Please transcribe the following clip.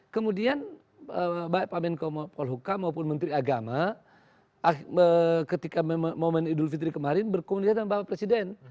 kemudian baik pak menko polhukam maupun menteri agama ketika momen idul fitri kemarin berkomunikasi dengan bapak presiden